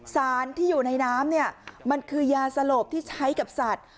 สารที่อยู่ในน้ำเนี่ยมันคือยาสลบที่ใช้กับสัตว์